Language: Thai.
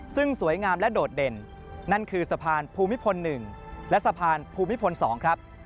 ซึ่งสวยงามและโดดเด่นนั่นคือสะพานภูมิพล๑และสะพานภูมิพล๒ครับ